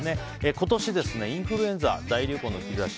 今年、インフルエンザ大流行の兆し。